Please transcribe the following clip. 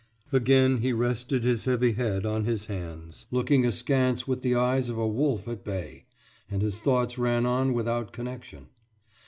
Again he rested his heavy head on his hands, looking askance with the eyes of a wolf at bay; and his thoughts ran on without connection.